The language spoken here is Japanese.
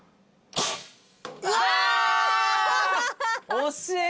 惜しい。